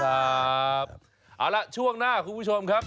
เอาละช่วงหน้าคุณผู้ชมครับ